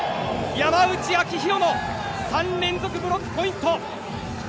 山内晶大の３連続ブロックポイント！